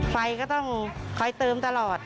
ไฟก็ต้องคอยเติมตลอด